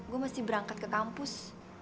gue masih berangkat ke kampus